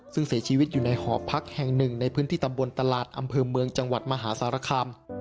ซึ่งเสียชีวิตอยู่ในหอพักแห่งหนึ่งในพื้นที่ตำบลตลาดอำเภอเมืองจังหวัดมหาสารคาม